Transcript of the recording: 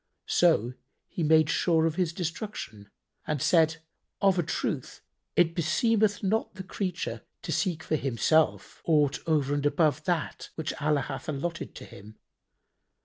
So he made sure of destruction and said, "Of a truth it beseemeth not the creature to seek for himself aught over and above that which Allah hath allotted to him.